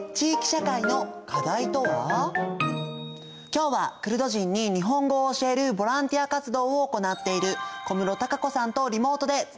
今日はクルド人に日本語を教えるボランティア活動を行っている小室敬子さんとリモートでつながっています。